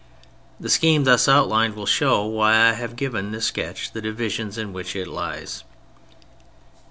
The scheme thus outlined will show why I have given this sketch the divisions in which it lies.